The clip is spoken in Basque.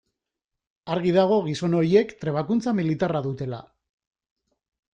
Argi dago gizon horiek trebakuntza militarra dutela.